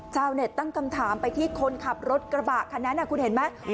ชาวเน็ตตั้งคำถามไปที่คนขับรถกระบะคันนั้นคุณเห็นไหม